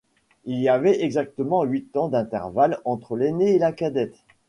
Il y avait exactement huit ans d'intervalle entre l'aîné et la cadette.